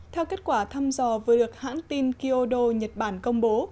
theo kết quả thăm dò vừa được hãng tin kyodo nhật bản công bố